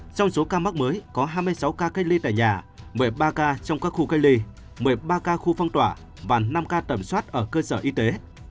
trong số ca mắc mới có hai mươi sáu ca cách ly tại nhà một mươi ba ca trong các khu cách ly một mươi ba ca khu phong tỏa và năm ca tầm soát ở cơ sở y tế